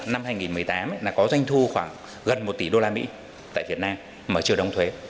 năm hai nghìn một mươi tám là có doanh thu khoảng gần một tỷ usd tại việt nam mà chưa đóng thuế